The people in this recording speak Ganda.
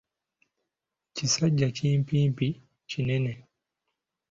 Kisajja kimpimpi kinene.